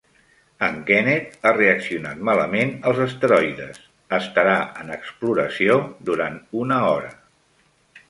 En Kenneth ha reaccionat malament als esteroides, estarà en exploració durant una hora,